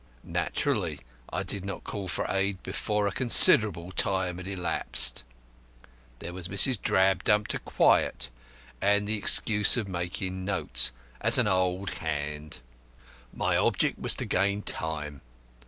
Naturally I did not call for aid before a considerable time had elapsed. There was Mrs. Drabdump to quiet, and the excuse of making notes as an old hand. My object was to gain time.